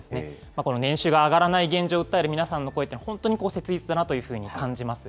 この年収が上がらない現状を訴える皆さんの声というのは、本当に切実だなというふうに感じます。